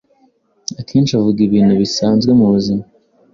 akenshi uvuga ibintu bisanzwe mu buzima.